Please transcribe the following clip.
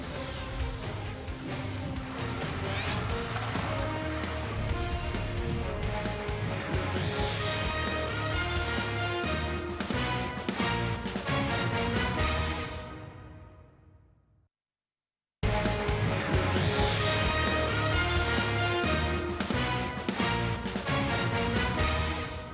โปรดติดตามตอนต่อไป